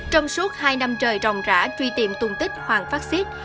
trong suốt hai năm trời rồng rã truy tìm tung tích hoàng phát xít